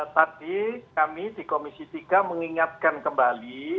tadi kami di komisi tiga mengingatkan kembali